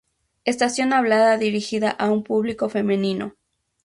Estación hablada dirigida a un público femenino.